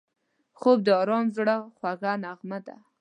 خوب د آرام زړه خوږه نغمه ده